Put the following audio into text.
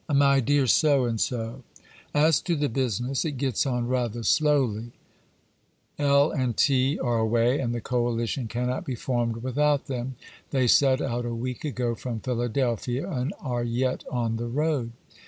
'MY DEAR ——, 'As to the business, it gets on rather slowly: L—— and T—— are away, and the coalition cannot be formed without them; they set out a week ago from Philadelphia, and are yet on the road.